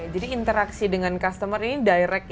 jadi interaksi dengan customer ini direct ya